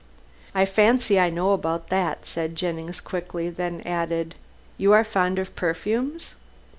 "I fancy I know about that," said Jennings quickly, then added, "You are fond of perfumes?"